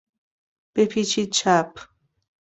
بپیچید چپ.